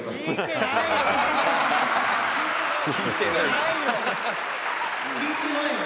「聞いてないよ！」